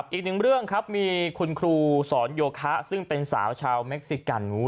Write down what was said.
อีกหนึ่งเรื่องครับมีคุณครูสอนโยคะซึ่งเป็นสาวชาวเม็กซิกัน